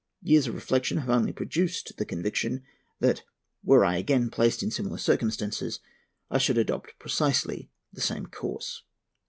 Years of reflection have only produced the conviction that, were I again placed in similar circumstances, I should adopt precisely the same course."